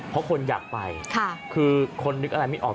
เพราะคนอยากไปคือคนนึกอะไรไม่ออก